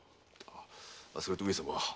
それと上様。